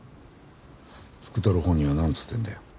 福太郎本人はなんつってんだよ？